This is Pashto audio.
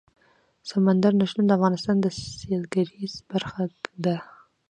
سمندر نه شتون د افغانستان د سیلګرۍ برخه ده.